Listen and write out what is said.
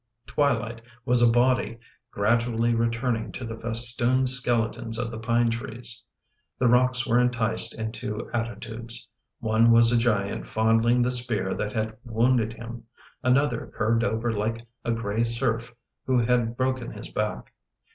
Twilight was a body gradually returning to the festooned skeletons of the pine trees. The rocks were enticed into atti tudes — one was a giant fondling the spear that had wounded him; another curved over like a gray serf who had broken his back.